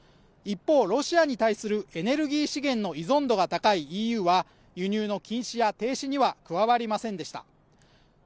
一方ロシアに対するエネルギー資源の依存度が高いＥＵは輸入の禁止や停止には加わりませんでした